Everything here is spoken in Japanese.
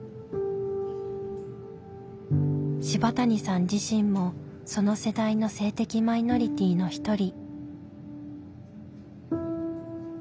柴谷さん自身もその世代の性的マイノリティーの一人。